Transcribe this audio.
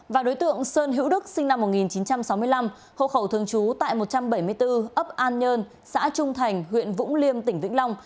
và đối tượng sơn hữu đức sinh năm một nghìn chín trăm sáu mươi năm hộ khẩu thường trú tại một trăm bảy mươi bốn ấp an nhơn xã trung thành huyện vũng liêm tỉnh vĩnh long